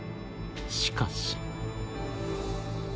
しかし。